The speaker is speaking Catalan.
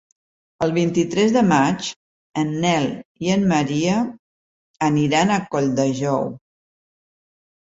El vint-i-tres de maig en Nel i en Maria aniran a Colldejou.